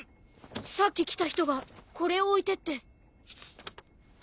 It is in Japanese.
さっき来た人がこれを置いてって。